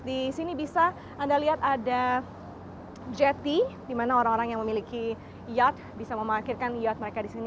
di sini bisa anda lihat ada jetty di mana orang orang yang memiliki yat bisa memakirkan yat mereka di sini